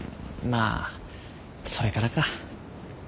あそれからか。